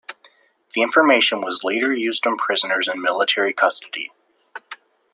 The information was later used on prisoners in military custody.